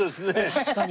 確かに。